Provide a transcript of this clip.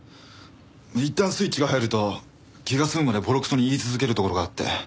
いったんスイッチが入ると気が済むまでボロクソに言い続けるところがあって。